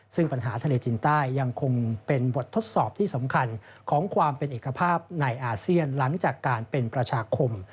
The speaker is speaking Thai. ซึ่งปัญหาทะเลจีนใต้ยังคงเป็นบททดสอบที่สำคัญของความเป็นเอกภาพในอาเซียนหลังจากการเป็นประชาคม